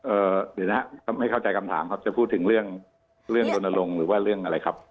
หรือนะครับไม่เข้าใจคำถามครับจะพูดถึงเรื่องเรื่องลนลงหรือว่าเรื่องอะไรครับ